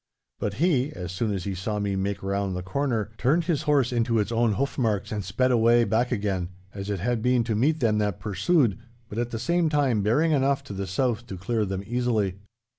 But he, so soon as he saw me make round the corner, turned his horse into its own hoof marks and sped away back again—as it had been to meet them that pursued, but at the same time bearing enough to the south to clear them easily.